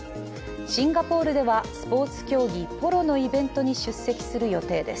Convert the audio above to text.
シンガポールではスポーツ競技、ポロのイベントに出席する予定です。